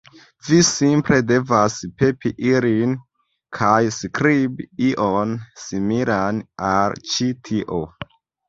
Vi simple devas pepi ilin, kaj skribi ion similan al ĉi tio